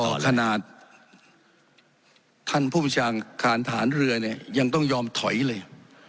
ขนาดท่านผู้ประชาการฐานเรือเนี่ยยังต้องยอมถอยเลย